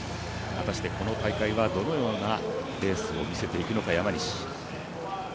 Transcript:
果たして、この大会はどのようなレースを見せていくのか山西。